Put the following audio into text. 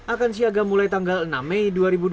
akan siaga mulai tanggal enam mei dua ribu dua puluh